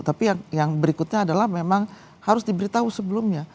tapi yang berikutnya adalah memang harus diberitahu sebelumnya